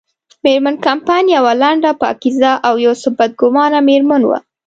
مېرمن کمپن یوه لنډه، پاکیزه او یو څه بدګمانه مېرمن وه.